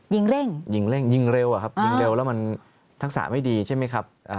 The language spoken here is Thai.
ยิงเร่งยิงเร่งยิงเร็วอะครับยิงเร็วแล้วมันทักษะไม่ดีใช่ไหมครับ